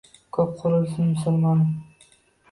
Ko’p qirilsin musulmon.